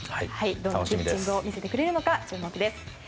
どんなピッチングを見せてくれるのか注目です。